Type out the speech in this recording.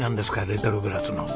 レトログラスの。